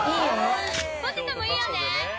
ポテトもいいよね？